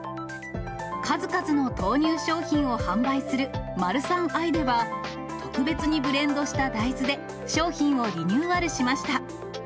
数々の豆乳商品を販売するマルサンアイでは、特別にブレンドした大豆で商品をリニューアルしました。